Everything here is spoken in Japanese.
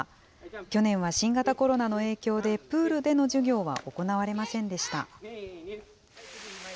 去年は新型コロナの影響でプールでの授業は行われませんでした。